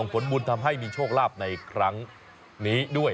ผลบุญทำให้มีโชคลาภในครั้งนี้ด้วย